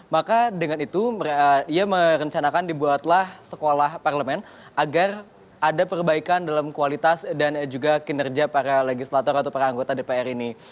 maka dengan itu ia merencanakan dibuatlah sekolah parlemen agar ada perbaikan dalam kualitas dan juga kinerja para legislator atau para anggota dpr ini